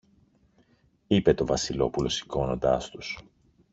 είπε το Βασιλόπουλο σηκώνοντας τους